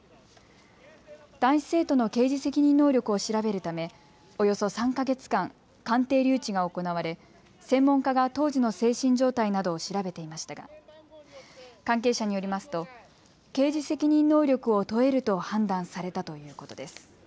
男子生徒の刑事責任能力を調べるためおよそ３か月間、鑑定留置が行われ専門家が当時の精神状態などを調べていましたが関係者によりますと刑事責任能力を問えると判断されたということです。